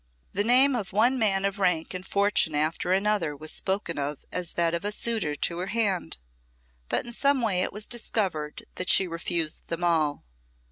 The name of one man of rank and fortune after another was spoken of as that of a suitor to her hand, but in some way it was discovered that she refused them all.